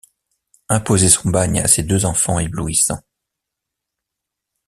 Imposer son bagne à ces deux enfants éblouissants